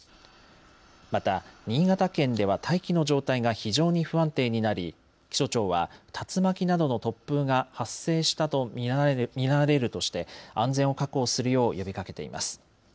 また新潟県では大気の状態が非常に不安定になり、気象庁は竜巻などの突風が発生したと見られるとして安全を確保するよう呼びかけています。